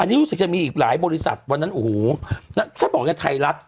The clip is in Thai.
อันนี้รู้สึกจะมีอีกหลายบริษัทวันนั้นโอ้โหฉันบอกในไทยรัฐ